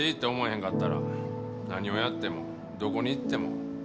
へんかったら何をやってもどこに行っても同じや。